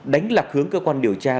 đánh lạc hướng cơ quan điều tra